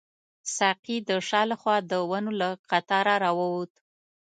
ساقي د شا له خوا د ونو له قطاره راووت.